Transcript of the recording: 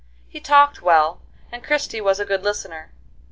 He talked well; and Christie was a good listener.